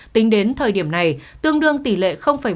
tính đến thời điểm này tương đương tỷ lệ một